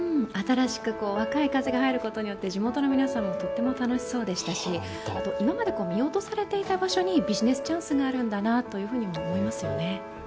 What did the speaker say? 新しく若い風が入ることによって地元の皆さんもとっても楽しそうでしたし、今まで見落とされていた場所にビジネスチャンスがあるんだなと思いますよね。